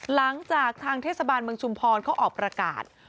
หลังจากทางเทศบาลเมืองชุมพรเขาออกประกาศ